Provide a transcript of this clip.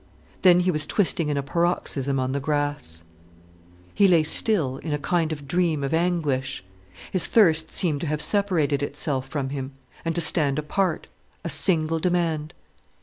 Then he was twisting in a paroxysm on the grass. He lay still, in a kind of dream of anguish. His thirst seemed to have separated itself from him, and to stand apart, a single demand.